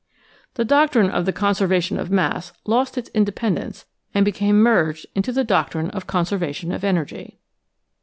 The doctrine of the con servation of mass lost its independence and beqame merged in the doctrine of conservation of energy.